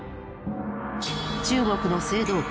中国の青銅器。